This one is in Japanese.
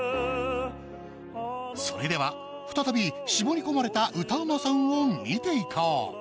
それでは再び絞り込まれた歌うまさんを見ていこう。